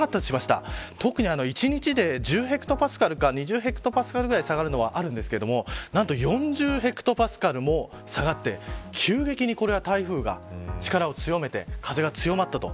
ただ、１日で１０ヘクトパスカルか２０ヘクトパスカルぐらい下がるのはあるんですが何と、４０ヘクトパスカルも下がって急激に、これは台風が力を強めて風が強まったと。